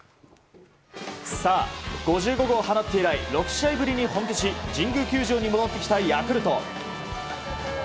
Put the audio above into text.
さあ、５５号を放って以来６試合ぶりに本拠地の神宮球場に戻ってきたヤクルト。